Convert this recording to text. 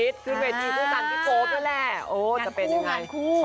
ตื่นเต้นที่ยังไม่รู้อะไรเลยมากว่า